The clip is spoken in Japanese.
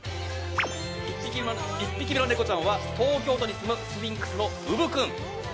１匹目のネコちゃんは東京都に住むスフィンクスのうぶ君。